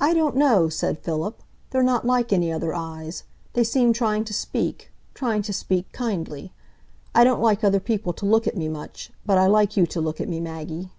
"I don't know," said Philip. "They're not like any other eyes. They seem trying to speak,—trying to speak kindly. I don't like other people to look at me much, but I like you to look at me, Maggie."